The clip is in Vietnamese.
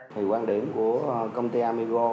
thì quan điểm của công ty amigo